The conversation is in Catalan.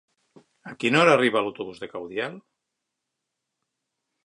A quina hora arriba l'autobús de Caudiel?